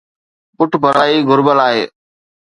پٺڀرائي گهربل آهي.